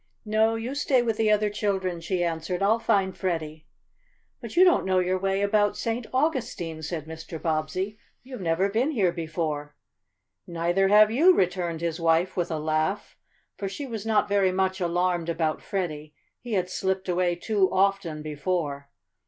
"No, you stay with the other children," she answered. "I'll find Freddie." "But you don't know your way about St. Augustine," said Mr. Bobbsey. "You've never been here before." "Neither have you," returned his wife with a laugh, for she was not very much alarmed about Freddie he had slipped away too often before.